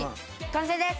完成です！